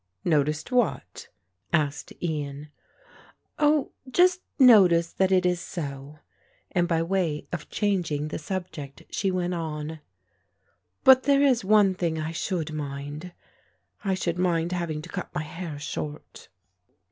"Noticed what?" asked Ian. "Oh, just noticed that it is so," and by way of changing the subject she went on, "but there is one thing I should mind; I should mind having to cut my hair short."